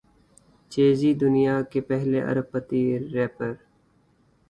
جے Z دنیا کے پہلے ارب پتی ریپر